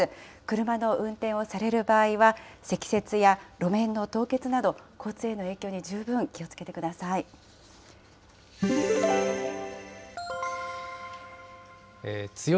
車の運転をされる場合は積雪や路面の凍結など、交通への影響に十分気をつけてください。